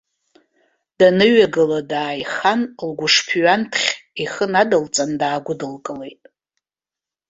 Даныҩагыла, дааихан, лгәышԥ-ҩанҭхь ихы надылҵан, даагәыдылкылеит.